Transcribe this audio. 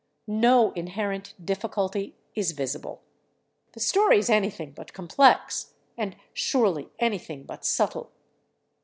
No inherent difficulty is visible. The story is anything but complex, and surely anything but subtle.